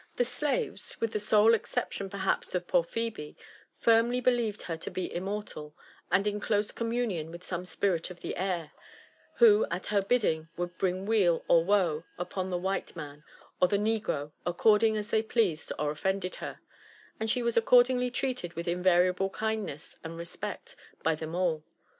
The slaves, with the sole exception perhaps of poorPhebe, firmly believed her to be immortal, and in close communion with some spirit of the air, who at her bidding would bring weal or woe upon the white man or the negro according as they pleased or offended her ; and she was accordingly treated with invariable kindness and respect by them dl.